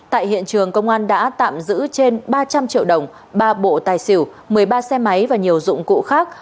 tại hiện trường công an đã tạm giữ trên ba trăm linh triệu đồng ba bộ tài xỉu một mươi ba xe máy và nhiều dụng cụ khác